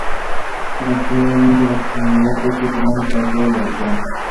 Se construyó además una personalidad propia y común para todos los restaurantes.